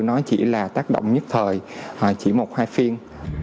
nó chỉ là tác động nhất thời chỉ một hai phiên